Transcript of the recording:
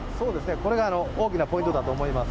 これが大きなポイントだと思います。